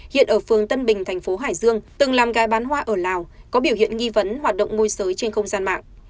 hiện ở phường tân bình thành phố hải dương từng làm gái bán hoa ở lào có biểu hiện nghi vấn hoạt động môi giới trên không gian mạng